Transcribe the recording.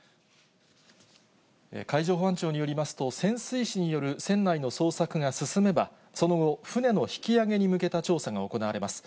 海上保安庁によりますと、潜水士による船内の捜索が進めば、その後、船の引き揚げに向けた調査が行われます。